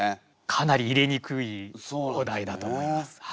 かなり入れにくいお題だと思います。